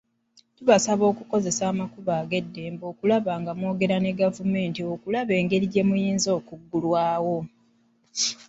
Tubasaba okukozesa amakubo ag'eddembe okulaba nga mwogera ne gavumenti okulaba egeri gye muyinza okuggulwawo.